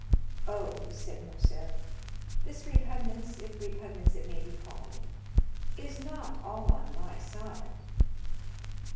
"Oh," said Morcerf, "this repugnance, if repugnance it may be called, is not all on my side."